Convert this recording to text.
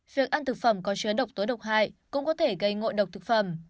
việc ăn thực phẩm có chứa độc tối độc hại cũng có thể gây ngộ độc thực phẩm